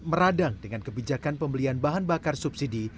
meradang dengan kebijakan pembelian bahan bakar subsidi